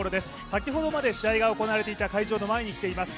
先ほどまで試合が行われていた会場の前に来ています。